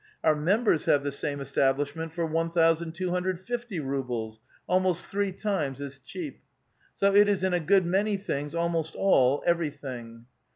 Our members have this same establishment for 1 ,250 rubles, almost three times as cheap. So it is in a good many things, almost all, everything.